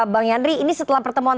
bang yandri ini setelah pertemuan